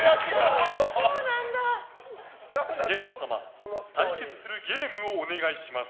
ゲスト様対決するゲームをお願いします。